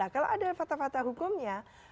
kalau ada fakta fakta hukumnya